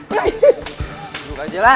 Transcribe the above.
buka aja lah